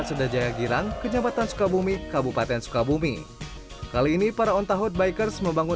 sudajaya girang kenyambatan sukabumi kabupaten sukabumi kali ini para on tahun bikers membangun